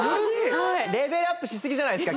レベルアップしすぎじゃないですか？